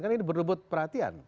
kan ini berdebut perhatian